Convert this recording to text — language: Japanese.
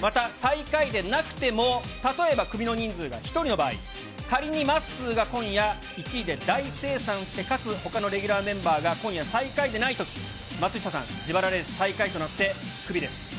また、最下位でなくても、例えばクビの人数が１人の場合、仮にまっすーが今夜、１位で大精算して、かつほかのレギュラーメンバーが今夜最下位でないとき、松下さん、自腹レース最下位となって、クビです。